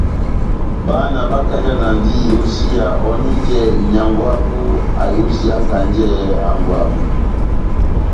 Bána bakajanandi iyosiya ohòninjɛ nyángwɛ wabu ayosiyakanjɛ hángwɛ wabu.